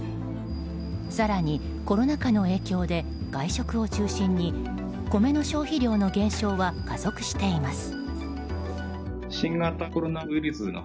更にコロナ禍の影響で外食を中心に米の消費量の減少は加速しています。